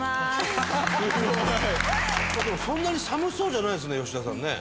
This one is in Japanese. そんなに寒そうじゃないですね吉田さんね。